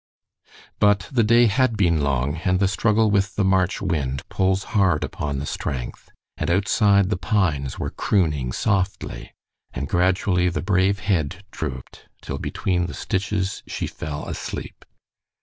But the day had been long, and the struggle with the March wind pulls hard upon the strength, and outside the pines were crooning softly, and gradually the brave head drooped till between the stitches she fell asleep.